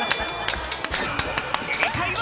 正解は。